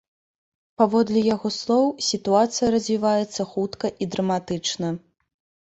Паводле яго слоў, сітуацыя развіваецца хутка і драматычна.